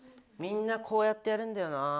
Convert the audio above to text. みんなこうやってやるんだよな。